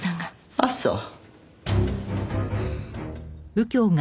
あっそう。